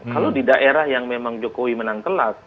kalau di daerah yang memang jokowi menang kelas